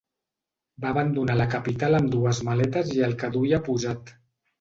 Va abandonar la capital amb dues maletes i el que duia posat.